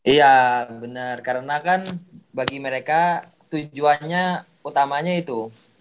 iya bener karena kan bagi mereka tujuannya utamanya itu